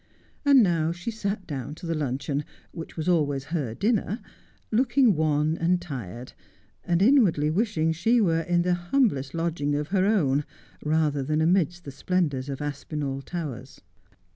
And now she sat down to the luncheon, which was always her dinner, looking wan and tired, and inwardly wishing she were in the humblest lodging of her own, rather than amidst the splendours of Aspinali Towers.